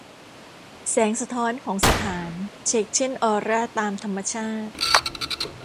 แสงสะท้อนของสถาน เฉกเช่นออร่าตามธรรมชาติ